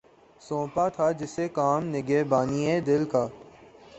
سونپا تھا جسے کام نگہبانئ دل کا